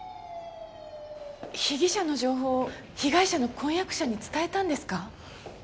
被疑者の情報を被害者の婚約者に伝えたんですか？